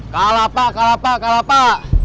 kalapak kalapak kalapak